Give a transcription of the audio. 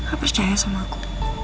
apa istilahnya sama aku